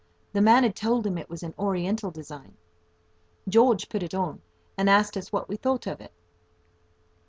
The man had told him it was an Oriental design. George put it on, and asked us what we thought of it.